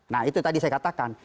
nah itu tadi saya katakan